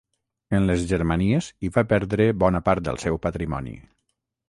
En les Germanies hi va perdre bona part del seu patrimoni.